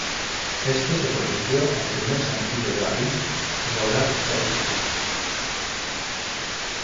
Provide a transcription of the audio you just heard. Este se convirtió en el primer sencillo de Lavigne en lograr dicha posición.